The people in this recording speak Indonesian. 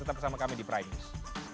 tetap bersama kami di prime news